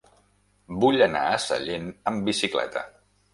Vull anar a Sallent amb bicicleta.